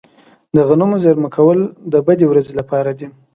د غنمو زیرمه کول د بدې ورځې لپاره دي.